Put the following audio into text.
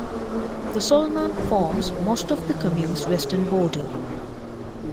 The Solnan forms most of the commune's western border.